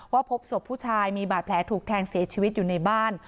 พบศพผู้ชายมีบาดแผลถูกแทงเสียชีวิตอยู่ในบ้าน